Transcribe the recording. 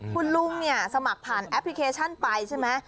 คุณลุงเนี่ยสมัครผ่านแอปพลิเคชันไปใช่ไหม